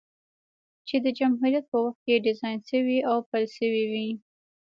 چې د جمهوريت په وخت کې ډيزاين شوې او پېل شوې وې،